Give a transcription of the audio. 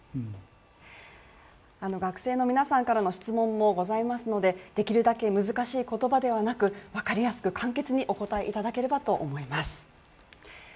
学生の皆さんからの質問もございますのでできるだけ難しい言葉ではなく、分かりやすく簡潔にお答えいただければと思います